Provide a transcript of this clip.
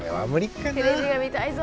テレビは見たいぞ。